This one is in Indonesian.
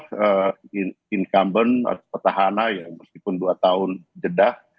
yang berarti incumbent atau petahana ya meskipun dua tahun jedah